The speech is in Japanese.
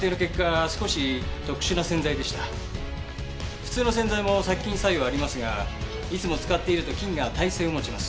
普通の洗剤も殺菌作用はありますがいつも使っていると菌が耐性を持ちます。